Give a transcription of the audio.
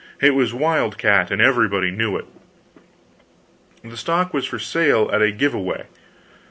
It was wildcat, and everybody knew it. The stock was for sale at a give away.